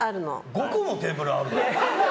５個もテーブルあるの？